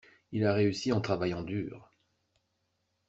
Il a réussi en travaillant dur.